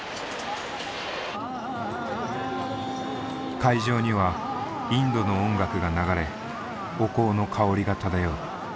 会場にはインドの音楽が流れお香の香りが漂う。